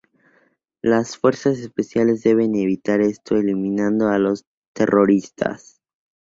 Las Fuerzas Especiales deben evitar esto eliminando a los terroristas.